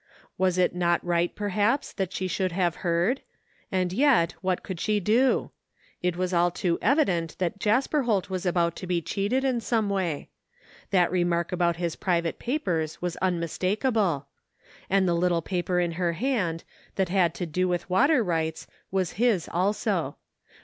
Was it not right, perhaps, that she should have heard , and, yet, what could she do? It was all too evident that Jasper Holt was about to be cheated in some way. That remark about his private papers was immistakable. And the little paper in her hand that had to do with water rights was his also.